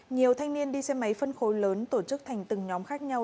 nhiều thanh niên đi xe máy phân khối lớn tổ chức thành từng nhóm khác nhau